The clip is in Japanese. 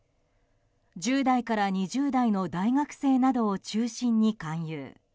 １０代から２０代の大学生などを中心に勧誘。